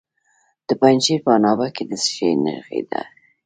د پنجشیر په عنابه کې د څه شي نښې دي؟